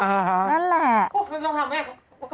อ๋อฮะนั่นแหละโอ๊ยมันต้องทำไง